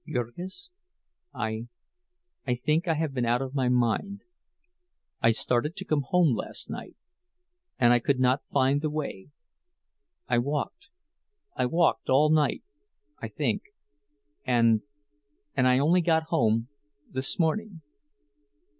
"Jurgis, I—I think I have been out of my mind. I started to come last night, and I could not find the way. I walked—I walked all night, I think, and—and I only got home—this morning."